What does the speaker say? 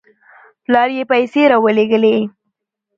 پلار یې پیسې راولېږلې.